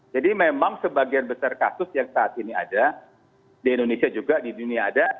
jadi memang sebagian besar kasus yang saat ini ada di indonesia juga di dunia ada